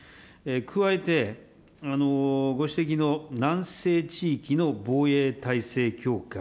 加えて、ご指摘の南西地域の防衛体制強化。